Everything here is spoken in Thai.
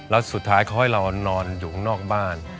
แล้วสุดท้ายเขาให้เรานอนอยู่ข้างนอกบ้าน